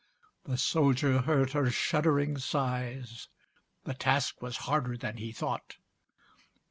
The soldier heard her shuddering sighs. The task was harder than he thought.